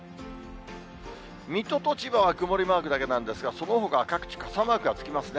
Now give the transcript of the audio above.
水戸と千葉は曇りマークだけなんですが、そのほかは各地、傘マークがつきますね。